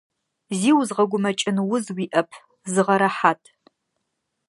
Зи узгъэгумэкӏын уз уиӏэп, зыгъэрэхьат.